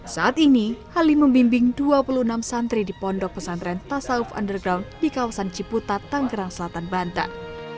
saat ini halim membimbing dua puluh enam santri di pondok pesantren tasauf underground di kawasan ciputat tanggerang selatan banten